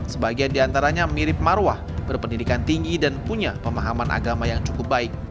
sebagian diantaranya mirip marwah berpendidikan tinggi dan punya pemahaman agama yang cukup baik